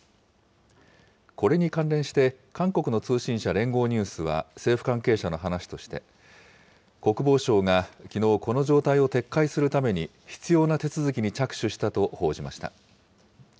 これに関連して、韓国の通信社、連合ニュースは政府関係者の話として、国防省がきのう、この状態を撤回するために必要な手続きに着手したと報じました。